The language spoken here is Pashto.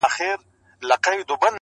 د اوږدې لیکنې بښنه کوئ